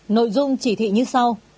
nội dung chỉ thị như sau